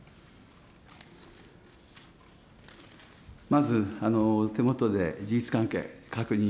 まず、手元で事実関係、確認